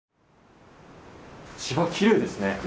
芝きれいですね。